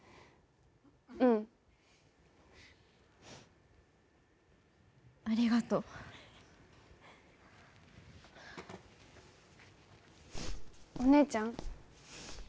うんありがとうお姉ちゃん？